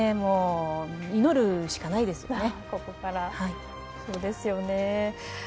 祈るしかないですよね。